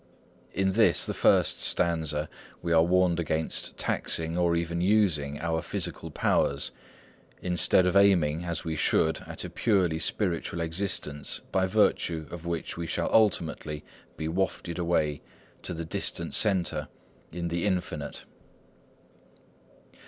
In this, the first, stanza we are warned against taxing, or even using, our physical powers, instead of aiming, as we should, at a purely spiritual existence, by virtue of which we shall ultimately be wafted away to the distant Centre in the Infinite.